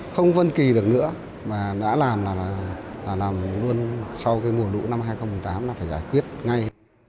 không vân kỳ được nữa mà đã làm là làm luôn sau cái mùa đủ năm hai nghìn một mươi tám là phải giải quyết ngay